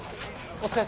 お疲れ。